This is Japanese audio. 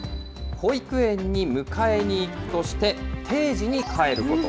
保育園に迎えに行くとして、定時に帰ること。